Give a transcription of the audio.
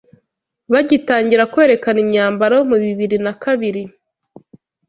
bagitangira kwerekana imyambaro mu bibiri na kabiri